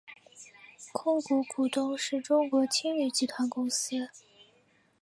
控股股东是中国青旅集团公司。